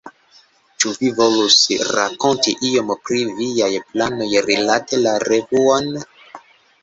Ĉu vi volus rakonti iom pri viaj planoj rilate la revuon?